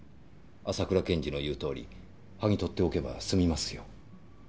浅倉検事の言うとおりはぎ取っておけば済みますよ。